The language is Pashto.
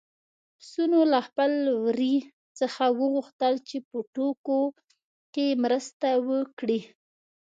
پسونو له خپل وري څخه وغوښتل چې په ټوکو کې مرسته وکړي.